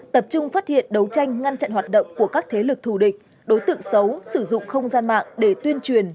tập trung phát hiện đấu tranh ngăn chặn hoạt động của các thế lực thù địch đối tượng xấu sử dụng không gian mạng để tuyên truyền